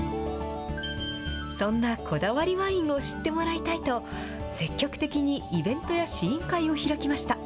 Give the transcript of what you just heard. そんなこだわりワインを知ってもらいたいと、積極的にイベントや試飲会を開きました。